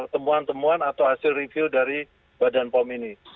temuan temuan atau hasil review dari badan pom ini